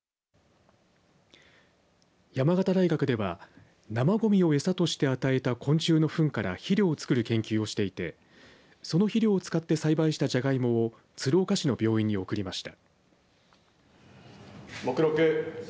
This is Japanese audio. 山形大学では生ごみを餌として与えた昆虫のふんから肥料を作る研究をしていてその肥料を使って栽培したジャガイモを鶴岡市の病院に贈りました。